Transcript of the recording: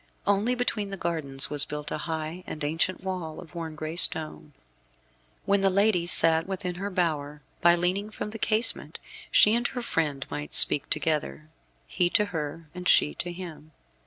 Only between the gardens was built a high and ancient wall, of worn gray stone. When the lady sat within her bower, by leaning from the casement she and her friend might speak together, he to her, and she to him.